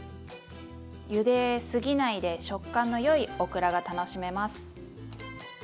ゆですぎないで食感のよいオクラが楽しめます。